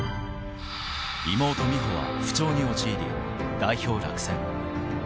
妹・美帆は不調に陥り、代表落選。